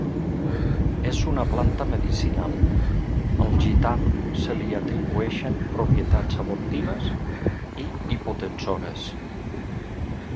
És una planta medicinal; al gitam se li atribueixen propietats abortives i hipotensores.